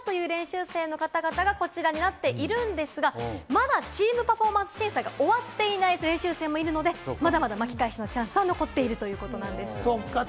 そして２個以下という練習生の方々がこちらになっているんですが、まだチーム・パフォーマンス審査が終わっていない練習生もいるので、まだまだ巻き返しのチャンスは残っているということなんです。